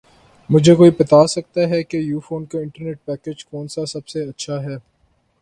مجھے کوئی بتا سکتا ہے کہ یوفون کا انٹرنیٹ پیکج کون سا سب سے اچھا ہے